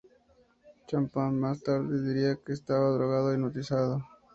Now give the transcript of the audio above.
Chapman más tarde diría que estaba drogado e hipnotizado.